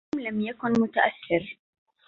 توم لم يكن متأثر.